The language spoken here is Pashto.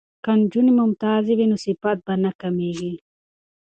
که نجونې ممتازې وي نو صفت به نه کمیږي.